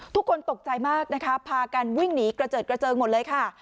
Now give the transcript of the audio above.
ทุกคนตกใจมากนะคะพากันวิ่งหนีกระเจิดกระเจิงหมดเลยค่ะ